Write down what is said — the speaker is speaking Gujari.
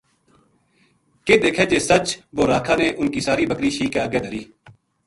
کے دیکھے جے سچ بو راکھا نے اُنھ کی ساری بکری شیک کے اَگے دھری وو